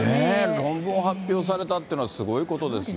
論文を発表されたっていうのは、すごいことですね。